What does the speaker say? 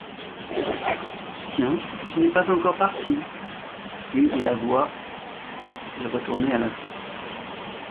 Tiens ! tu n'es pas encore parti ! Puis, il avoua, il retournait à la fosse.